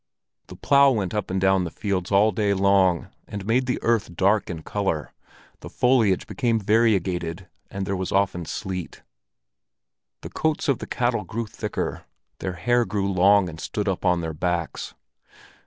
The plough went up and down the fields all day long, and made the earth dark in color, the foliage became variegated, and there was often sleet. The coats of the cattle grew thicker, their hair grew long and stood up on their backs.